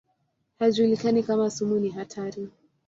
Haijulikani kama sumu ni hatari.